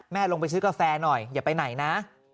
ลงไปซื้อกาแฟหน่อยอย่าไปไหนนะ